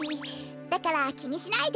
だからきにしないで。